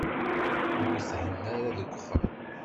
Ur thenna ara deg uxxam.